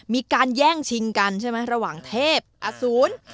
มีการแย่งชิงกันใช่ไหมระหว่างเทพอสูร